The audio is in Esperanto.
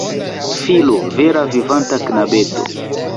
Filo! Vera vivanta knabeto!